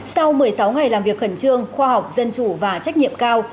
sau một mươi sáu ngày làm việc khẩn trương khoa học dân chủ và trách nhiệm cao